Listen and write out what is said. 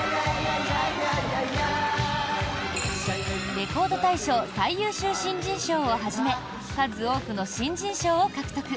レコード大賞最優秀新人賞をはじめ、数多くの新人賞を獲得。